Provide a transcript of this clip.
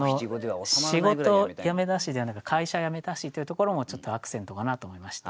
「仕事やめたし」ではなく「会社やめたし」というところもちょっとアクセントかなと思いまして。